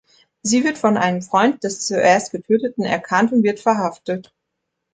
Sie wird von einem Freund des zuerst Getöteten erkannt und wird verhaftet.